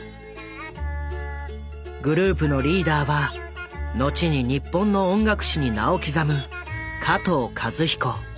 グループのリーダーは後に日本の音楽史に名を刻む加藤和彦。